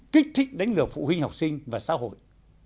kích thích đánh lừa phụ huynh học sinh và xã hội